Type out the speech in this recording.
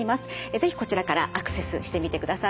是非こちらからアクセスしてみてください。